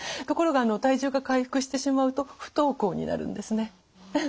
ところが体重が回復してしまうと不登校になるんですね。